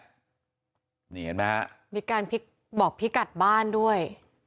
นี่เห็นไหมฮะมีการบอกพิกัดบ้านด้วย